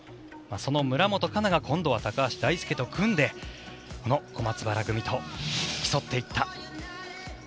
その村元哉中が今度は高橋大輔と組んでこの小松原組と競っていった。